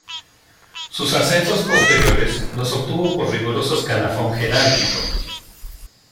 Sus ascensos posteriores los obtuvo por riguroso escalafón jerárquico.